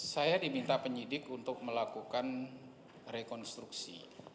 saya diminta penyidik untuk melakukan rekonstruksi